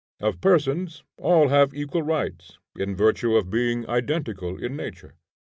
Of persons, all have equal rights, in virtue of being identical in nature.